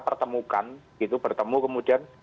pertemukan gitu bertemu kemudian